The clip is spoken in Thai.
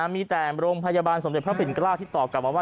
มีแต่โรงพยาบาลสมเด็จพระปิ่นเกล้าที่ตอบกลับมาว่า